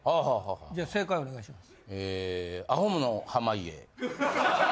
じゃ正解お願いします。